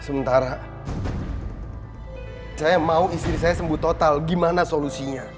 sementara saya mau istri saya sembuh total gimana solusinya